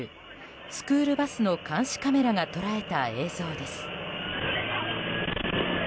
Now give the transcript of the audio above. スクールバスの監視カメラが捉えた映像です。